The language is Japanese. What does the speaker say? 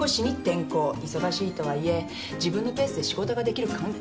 忙しいとはいえ自分のペースで仕事ができる環境にある。